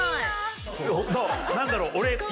何だろう俺今。